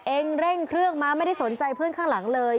เร่งเครื่องมาไม่ได้สนใจเพื่อนข้างหลังเลย